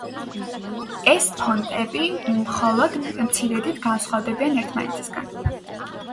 ეს ფონტები მხოლოდ მცირედით განსხვავდებიან ერთმანეთისგან.